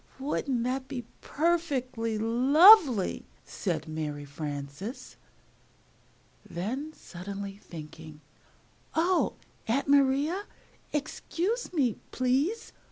] "Wouldn't that be perfectly lovely!" said Mary Frances. Then, suddenly thinking, "Oh, Aunt Maria, excuse me, please!